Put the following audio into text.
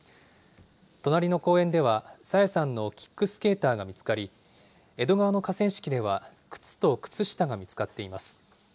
隣の公園では、朝芽さんのキックスケーターが見つかり、江戸川の河川敷では、靴と靴下が見つかっています。